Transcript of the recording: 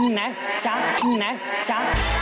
อุ๊ยไม่ผิดหวังนะจ๊ะ